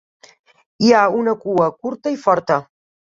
Hi ha una cua curta i forta.